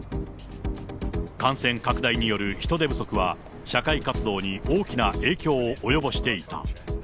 感染拡大による人手不足は、社会活動に大きな影響を及ぼしていた。